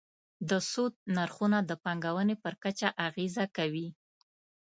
د سود نرخونه د پانګونې په کچه اغېزه کوي.